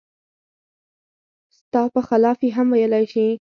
ستا په خلاف یې هم ویلای شي.